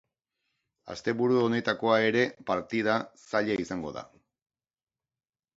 Asteburu honetakoa ere partida zaila izango da.